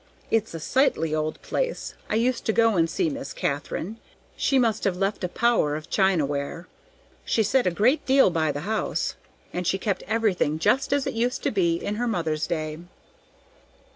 It's a sightly old place; I used to go and see Miss Katharine. She must have left a power of china ware. She set a great deal by the house, and she kept everything just as it used to be in her mother's day."